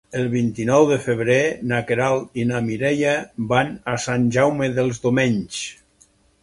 El vint-i-nou de febrer na Queralt i na Mireia van a Sant Jaume dels Domenys.